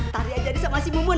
tarik aja deh sama si mumun